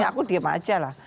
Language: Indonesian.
aku diem aja lah